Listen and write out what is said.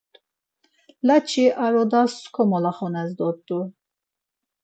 Laç̌i ar odas komolaxunes dort̆u.